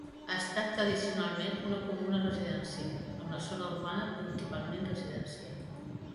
Ha estat tradicionalment una comuna residencial, amb la zona urbana principalment residencial.